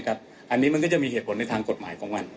อันนี้มันก็จะมีเหตุผลในทางกฎหมายของมัน